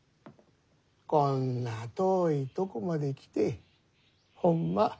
こんな遠いとこまで来てほんま